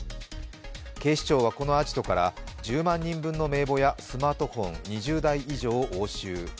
警視庁はこのアジトから１０万人分の名簿やスマートフォン２０台以上を押収。